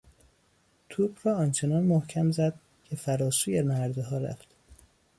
توپ را آنچنان محکم زد که فراسوی نردهها رفت.